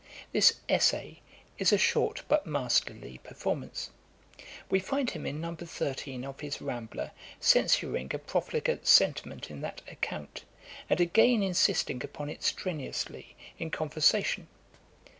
This 'Essay' is a short but masterly performance. We find him in No. 13 of his Rambler, censuring a profligate sentiment in that 'Account;' and again insisting upon it strenuously in conversation.